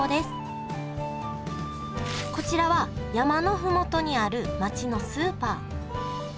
こちらは山の麓にある街のスーパー。